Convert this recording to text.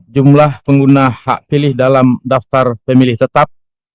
jumlah pengguna hak pilih dalam daftar pemilih tetap